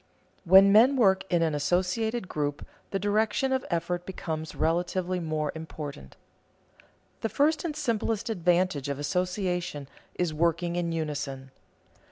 When men work in an associated group, the direction of effort becomes relatively more important. The first and simplest advantage of association is working in unison.